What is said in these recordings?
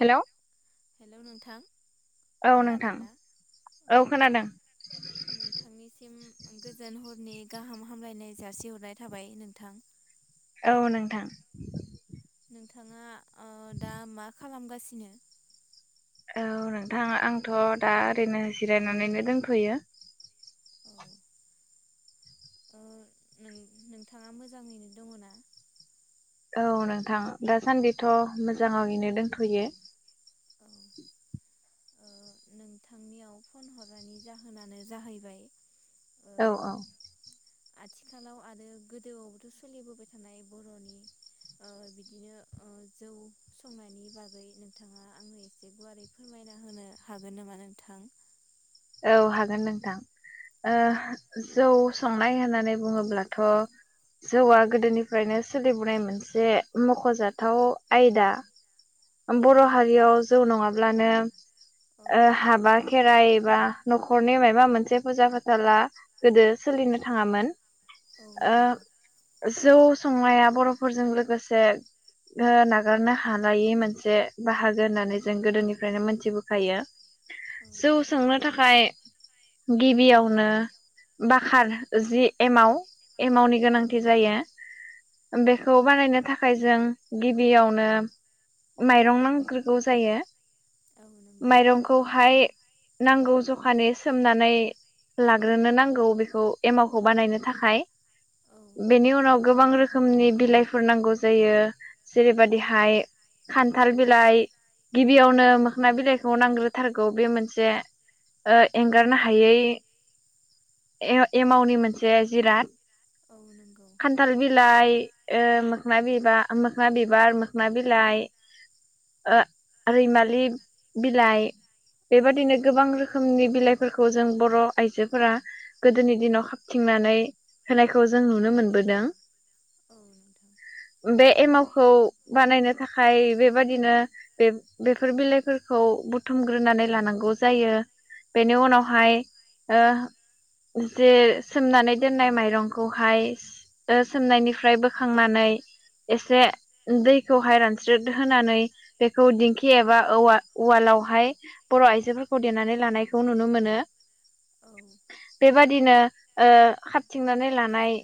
Hello. Hello नोंथां औ नोंथां खोनादोंना औ खोनादों नोंथांनिसिम गोजोन हरनि गाहाम हामलायनाय जारसि हरनाय थाबाय नोंथां। औ नोंथां। नोंथाङा। औ दा मा खालाम। थांगासिनो। औ नोंथां आंथ दा ओरैनो जिरायनानैनो दंथयो। औ ओ नों नोंथाङा मोजाङैनो दङ ना। औ नोंथां दा सान्दिथ मोजांनो दंथयो। औ नोंथांनियाव फन हरनायनि जाहोनानो जाहैबाय। ओ औ औ आथिखालाव आरो गोदोआवबोथ सोलिबोबाय थानाय बर'नि ओ‌ बिदिनो ओ जौ संनायनि बागै नोंथाङा आनो एसे गुवारै फोरमायना होनो हागोन नामा नोंथां? औ हागोन नोंथां ओ जौ संनाय होननानै बुङोब्लाथ जौआ गोदोनिफ्रायनो सोलिबोनाय मोनसे मखजाथाव आयदा। औ बर' हारियाव जौ नङाब्ला अब्लानो औ ओ हाबा खेराइ बा नखरनि माबा मोनसे फुजा फथाला गोदो सोलिनो थांङामोन। औ ओ नंगौ जौ संनाया बर'फोरजों लोगोसे ओ नागारनो हानायै मोनसे बाहागो होननानै जों गोदोनिफ्रायनो मोनथिबोखायो औ जौ संनो थाखाय गिबियावनो बाखार जि एमाव एमावनि औ गोनांथि जायो बेखौ बानायनो थाखाय जों गिबियावनो माइरं नांग्रोगौ जायो औ नंगौ माइरंखौहाय नांगौ जखानि सोमनानै लाग्रोनो नांगौ बेखौ एमावखौ बानायनो थाखाय औ बेनि उनाव गोबां रोखोमनि बिलाइफोर नांगौ जायो जेरैबादिहाय खान्थाल बिलाइ गिबियावनो मोखना बिलाइखौ नांग्रोथारगौ बे मोनसे ओ एंगारनो हायै ए एमावनि मोनसे जिराद औ नंगौ खान्थाल बिलाइ ओ मोखना‌ बिबा मोखना बिबार मोखना बिलाइ ओ रैमालि बिलाइ औ बेबाददिनो गोबां रोखोमनि बिलाइफोरखौ जों बर' आइजोफोरा गोदोनि दिनाव हाबथिंनानै होनायखौ जों नुनो मोनबोदों। औ नोंथां बे एमाव खौ बानायनो थाखाय बेबादिनो बेफोर बिलाइफोरखौ बुथुमग्रोनानै लानांगौ जायो। बेनि उनावहाय जे सोमनानै दोननाय माइरंखौहाय सोमनायनिफ्राय बोखांनानै एसे दैखौहाय रानस्रिद होनानै बेखौ दिंखि एबा उवालावहाय बर' आइजोफोरखौ फदेनानै लानायखौ नुनो मोनो। औ बेबादिनो हाबथिंनानै लानाय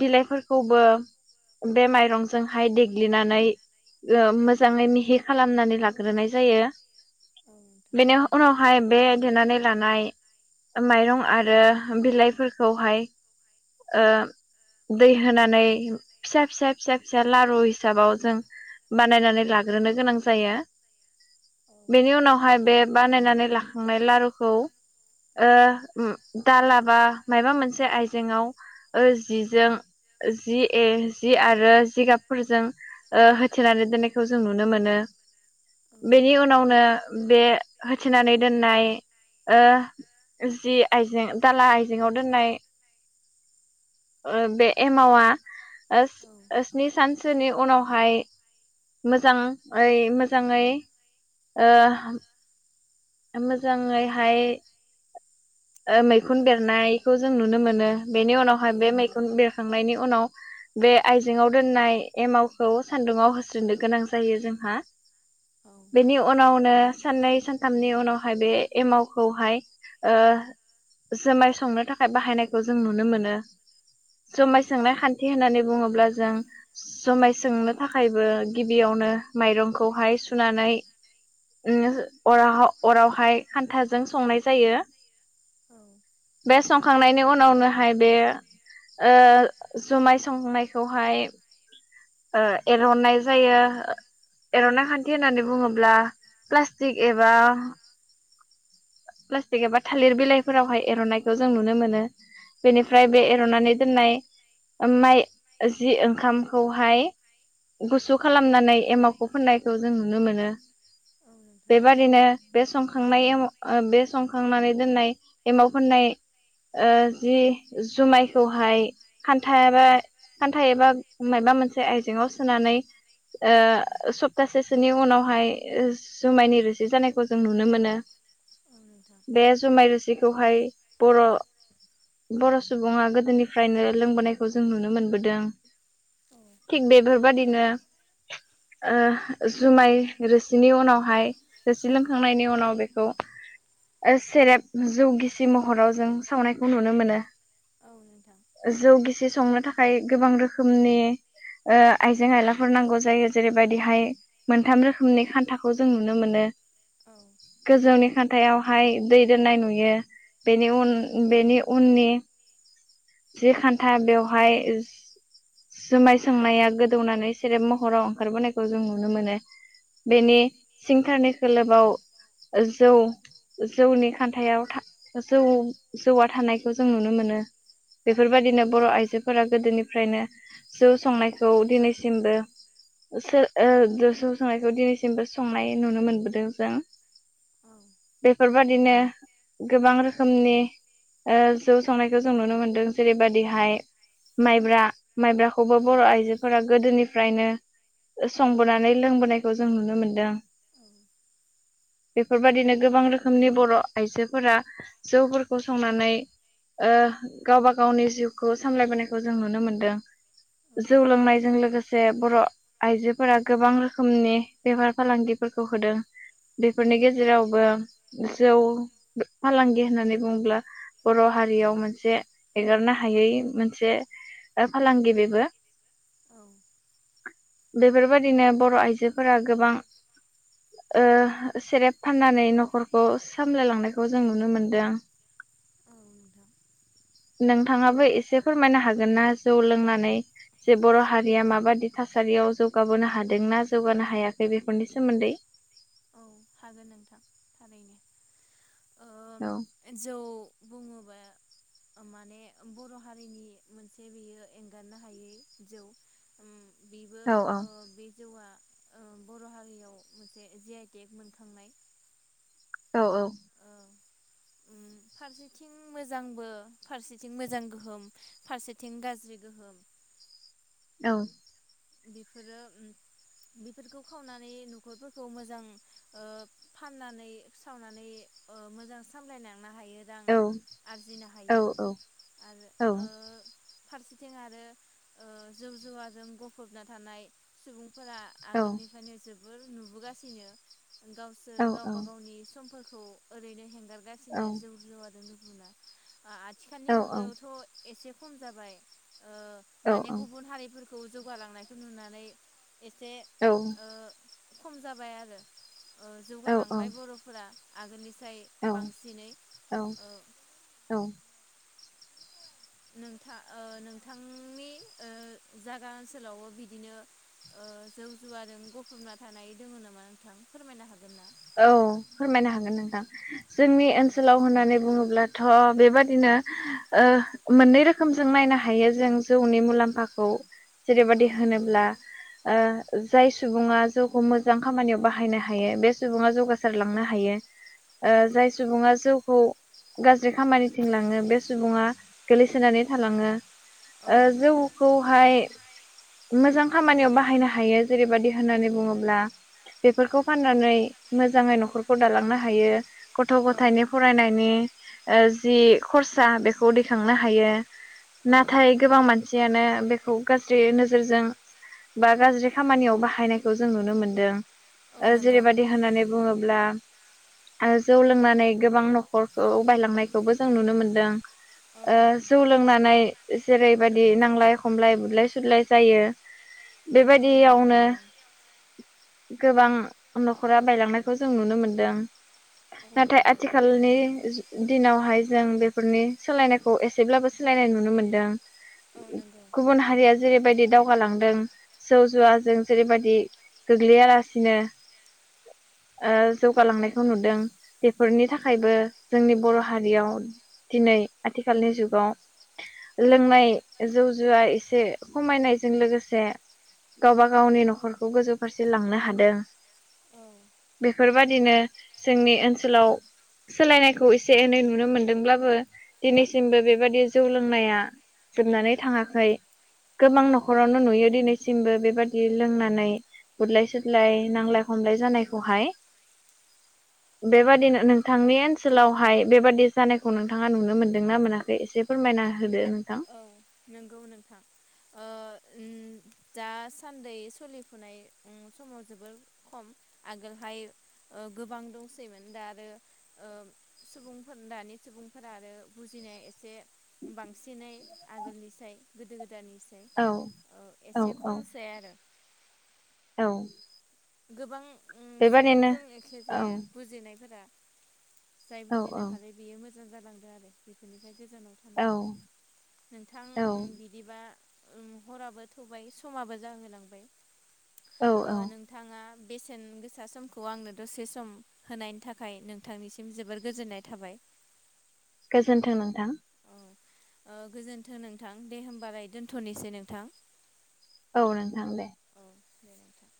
बिलाइफोरखौबो बे माइरं जोंहाय देग्लिनानै मोजाङै मिहि खालामनानै लाग्रोनाय जायो। नोंथां औ बेनो बे देनानै लानाय माइरं आरो बिलाइफोरखौहाय दै होनानै फिसा-फिसा-फिसा-फिसा लारु हिसाबाव जों बानायनानै लाग्रोनो गोनां जायो। बेनि उनावहाय बे बानायनानै लाखांनाय लारुखौ ओ दाला बा माबा मोनसे आइजेंआव जिजों जि ए जि आरो जिगाबफोरजों होथेनानै दोननायखौ जों नुनो मोनो। औ बेनि नोंथां उनावनो बे होथिनानै दोननाय ओ जि आइजें दाला आइजें आव दोननाय बे एमावा औ नंगौ औ नोंथां औ नोंथां औ स्नि सान बिसोरनि उनावहाय मोजाङै-मोजाङै ओ मोजाङैहाय मैखुन बेरनायखौ जों नुनो मोनो। बेनि उनावहाय बे मैखुन बेरखांनायनि उनाव बे आइजेंआव दोननाय एमावखौ सान्दुङाव होस्रोननो गोनां जायो जोंहा बेनि अना साननै सान साथामनि उनावहाय बे एमावखौहाय ओ जोमाय संनो थाखाय बाहायनायखौ जों नुनो मोनो। जुमाय संनाय खान्थि होननानै बुङोब्ला जों जुमाय संनो थाखायबो गिबियावनो माइरंखौहाय सुनानै अर अरावहाय खान्थाजों संनाय जायो। बे संखांनायनि उनावनोहाय बे ओ जुमाय संनायखौहाय एरननाय जायो एरननाय खान्थि होननानै बुङोब्ला प्लास्टिक प्लास्टिक एबा प्लास्टिक एबा थालिर बिलाइफोरावहाय एरननायखौ जों नुनो मोनो। बेनिफ्राय बे एरनानै दोननाय माइ जि ओंखामखौहाय गुसु खालामनानै एमावखौ फोननायखौ जों नुनो मोनो। बेबादिनो बे संखांनाय बे संखांनानै दोननाय एमाव फोननाय जि जुमायखौहाय खान्था एबा खान्था एबा माबा मोनसे आयजेंआव सोनानै सप्तासेसोनि उनावहाय जुमायनि रोसि जानायखौ जों नुनो मोनो नोंथां औ नोंथां बे जुमाय रोसिखौहाय बर' बर' सुबुङा गोदोनिफ्रायनो लोंबोनायखौ जों नुनो मोनबोदों। औ थिग बेफोरबाय दिनो ओ जुमाय रोसिनि उनाव हाय रोसि लोंखांनायनि उनाव बेखौ सेरेब जौ गिसि महराव जों सावनायखौ नुनो मोनो। औ नोंथां जौ गिसि संनो थाखाय गोबां रोखोमनि आइजें आयलाफोर नांगौ जायो जेरैबायदिहाय मोनथाम रोखोमनि खान्थाखौ खौ जों नुनो मोनो। औ गोजौनि खाान्थि खान्थायावहाय दै दोननाय नुयो बेनि औ उननि बेनि उननि जि खान्था बेवहाय जुमाय सोंनाया गोदौनानै सेरेब महराव ओंखारबोनायखौ जों नुनो मोनो औ बेनि सिंथारनि खोलोबाव जौ जौनि खान्थायाव जौ जौ आ थानायखौ जों नुनो मोनो बेफोरबायदिनो बर आइजोफोरा गोदोनिफ्रायनो जौ संनायखौ दिनैसिमबो जौ संनायखौ दिनैसिमबो संनाय नुनो मोनबोदों जों। बे बेफोरबायदिनो गोबां रोखोमनि जौ संनायखौ जों नुनो मोनदों जेरैबायदिहाय माइब्रा माइब्राखौबो औ बर' नोंथां आइजोफोरा गोदोनि फ्रायनो संबोनानै लोंबोनायखौ जों नुनो मोनदों। औ बेफोरबायदिनो गोबां रोखोमनि बर' आइजोफोरा जौफोरखौ संनानै ओ गावबा गावनि जिउखौ सामलायबोनायखौ जों नुनो मोनदों जौ लोंनायजों लोगोसे बर' आइजोफोरा गोबां रोखोमनि बेफार फालांगिफोरखौ होदों बेफोरनि गेजेरावबो औ जौ फालांगि होननानै बुङोब्ला बर'हारियाव मोनसे एगारनो हायै मोनसे फालांगि बेबो औ बेफोरबायदिनो बर' आइजोफोरा गोबां ओ सेरेब फाननानै न'खरखौ सामलायलांनायखौ जों नुनो मोनदों। औ नोंथां नोंथाङाबो एसे फोरमायनो हागोन ना जौ लोंनानै जे बर' हारिया माबादि थासारियाव जौगाबोनो हादोंना जौगानो हायाखै बे खनि सोमोन्दै औ हागोन नोंथां थारैनो औ जौ बुङोबा माने बर हारिनि मोनसे बेयो एंगारनो हायै जौ। बेबो औ बे जौआ बर हारियाव मोनसे जे आइ देग मोनखांनाय औ औ। फारसेथिं मोजांबो फारसेथिं मोजां गोहोम फारसेथिं गाज्रि गोहोम। औ। बेफोरो बेफोरखौ खावनानै नखरफोरखौ मोजां ओ फाननानै सावनानै ओ मोजां सामलायना थांनो हायो रां औ आरजिनो औ हायो आरो औ फारसेथिं आरो जौ जुवाजों ग फबना थानाय सुबुं फोरा आगोलनिफ्रायनो जोबोर नुबोगासिनो। गावसोर औ गावबा गावनि समफोरखौ ओरैनो हें हागारगासिनो जौ औ जुवाजों मोना। आथिखालनि औ मुगायावथ एसे खम जाबाय ओ औ माने गुबुन हारिफोर जौगालांनायखौ नुनानै एसे ओ खम जाबाय आरो। औ जौगालांबाय बरफोरा। आगोलनि ओमफ्राय औ बांसिनै औ ओ औ नोंथा ओ नोंथांनि ओ जागा ओनसोलावबो बिदिनो ओ जौ जुवाजों गफफना थानाय दङ नामा नोंथां फोरमायनो हागोन ना? औ फोरमायनो हागोन नोंथां। जोंनि ओनसोलाव होननानै बुङोब्ला थ बेबादिनो ओ मोननै रोखोमजों नायनो हायो जों जौनि मुलाम्फाखौ जेरैबादि औ होनोब्ला ओ जाय सुबुङा जौखौ मोजां खामानियाव बाहायनो हायो बे सुबुङा जौगासारलांनो हायो। ओ औ जाय सुबुङा जौ खौ गाज्रि खामानिथिंलाङो बे सुबुङा गोलैसोनानै थालाङो। ओ जौखौहाय मोजां खामानियाव बाहायनो हायो जेरैबायदि होननानै बुङोब्ला बेफोरखौ फाननानै मोजाङै नखरखौ दालांनो हायो गथ औ गथाइनि फरायनायनि ओ जि खरसा बेखौ दैखांनो हायो औ नाथाय नोंथां गोबां मानसियानो बे खौ गाज्रि नोजोरजों बा गाज्रि खामानियाव बाहायनायखौ जों नुनो मोनदों औ ओ नोंगौ जेरैबायदि होननानै बुङोब्ला आरो जौ लोंनानै गोबां नखरखौ बायलांनायखौबो जों नुनो मोनदों औ ओ जौ लोंनानै जेरैबादि नांलाय खमलाय बुलाय सुलाय जायो औ नंगौ बेबायदियावनो थारैनो गोबां नखरा बायलांनायखौ जों नुनो मोनदों औ नाथाय नंगौ आथिखालनि जु दिनावहाय जों बेफोरनि सोलायनायखौ एसेब्लाबो सोलायनाय नुनो मोन्दों औ नंगौ औ गुबुन हारिया जेरैबायदि दाउ गालांदों जौ जुवाजों जेरैबायदि गोग्लैयालासिनो ओ जौगालांनायखौ नुदों बेफोरनि थाखायबो जोंनि बर हारियाव दिनै आथिखालनि जुगाव लोंनाय जौ जुवा एसे खमायनायजों लोगोसे गावबा गावनि नखरखौ गोजौ फारसे लांनो हादों औ बेफोरबादिनो जोंनि ओनसोलाव सोलायनायखौ एसे एनै नुनो मोनदोंब्लाबो दिनैसिमबो बेबादि जौ लोंनाया जोबनानै थाङाखै गोबां नंगौ नखरावनो नुयो दिनै दासिमबो बेबादि लोंनानै गुरलाय सुदलाय नांलाय हमलाय जानायखौहाय बेबादिनो नोंथांनि ओनसोलावहाय बेबादि जानायखौ नोंथाङा नुनो मोनदों ना मोनाखै एसे फोरमायना होदो नोंथां औ नोंगौ नोंथां ओ ओम दा सान्दै सलिफुनाय ओम समाव जोबोर खम आगोलहाय ओ गोबां दंसैमोन दा आरो ओ सुबुंफोर दानि सुबुंफोरा आरो बुजिनाया एसे बां सिनै आगोलनिसाय गोदो गोद दानिसाय औ औ एसे खमसै आरो। औ गोबां ओम बेबादिनो सुबुंजों एखे औ जाया बुजिनायफोरा जाय औ बुजिनो हाबाय बेयो मो जां जालांदो आरो बेफोरनिफ्राय गोजानाव थानो औ हादों। नोंथां औ ओम बिदिबा ओम हराबो थौबाय समाबो जाहोलांबाय औ औ थाङा बेसेन गोसा समखौ आंनो दसे सम होनायनि थाखाय नोंथांनिसिम जोबोर गोजोननाय थाबाय। गोजोन्थों नोंथां औ ओ गोजोनथों नोंथां दे होमबालाय दोनथनोसै नोंथां। औ नोंथां दे औ दे नोंथां